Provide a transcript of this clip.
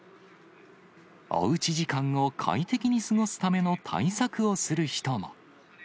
おうち時間を快適に過ごすための対策をする人も。